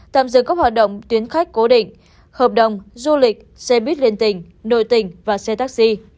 tạm dừng các hoạt động tuyến khách cố định hợp đồng du lịch xe buýt liên tỉnh nội tỉnh và xe taxi